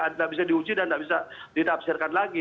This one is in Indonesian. tidak bisa diuji dan tidak bisa ditafsirkan lagi